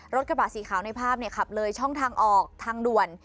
รถกระบะสีขาวในภาพขับเลยช่องทางออกทางด่วน